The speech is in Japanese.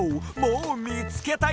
もうみつけたＹＯ！